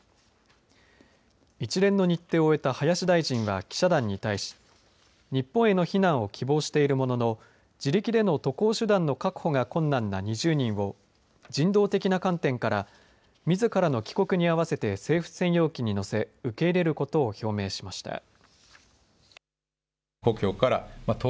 一連の日程を終えた林大臣は記者団に対し日本への避難を希望しているものの自力での渡航手段の確保が困難な２０人を人道的な観点からみずからの帰国に合わせて政府専用機に乗せ受け入れることを表明しました。